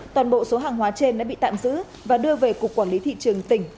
toàn bộ số hàng hóa trên đã bị tạm giữ và đưa về cục quản lý thị trường tỉnh